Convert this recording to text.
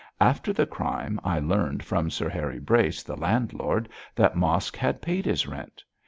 After the crime I learned from Sir Harry Brace, the landlord, that Mosk had paid his rent.